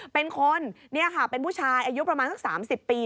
เป็นคนนี่ค่ะเป็นผู้ชายอายุประมาณสัก๓๐ปี